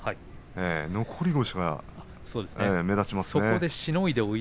残り腰が目立ちますね。